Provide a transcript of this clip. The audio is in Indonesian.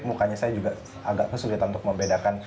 mukanya saya juga agak kesulitan untuk membedakan